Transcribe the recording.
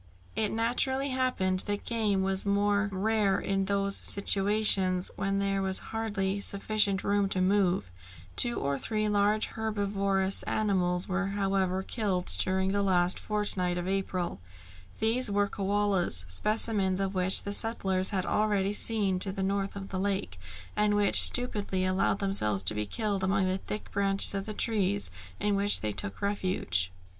It naturally happened that game was more rare in those situations where there was hardly sufficient room to move; two or three large herbivorous animals were however killed during the last fortnight of April. These were koalas, specimens of which the settlers had already seen to the north of the lake, and which stupidly allowed themselves to be killed among the thick branches of the trees in which they took refuge.